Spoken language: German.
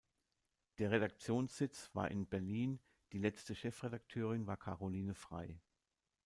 Der Redaktionssitz war in Berlin, die letzte Chefredakteurin war Caroline Frey.